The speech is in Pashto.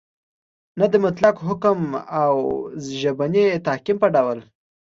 نه د مطلق حکم او ژبني تحکم په ډول